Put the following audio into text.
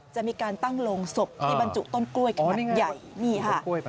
จะมีการตั้งลงศพในบรรจุต้นกล้วยขนาดใหญ่นี่ค่ะ